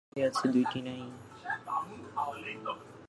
বিশ্বজগতে কেবল একটি সত্তাই রহিয়াছে, দুইটি নাই।